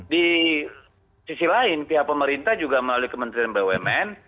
di sisi lain pihak pemerintah juga melalui kementerian bumn